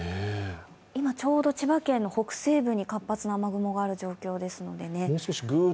今ちょうど千葉県の北西部に活発な雨雲がある状況ですのでね。